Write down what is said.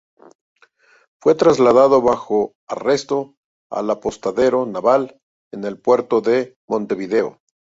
Fue trasladado bajo arresto al Apostadero Naval, en el puerto de Montevideo.